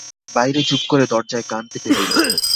বাইরে চুপ করে দরজায় কান পেতে রইল।